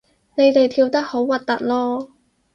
你哋跳得好核突囉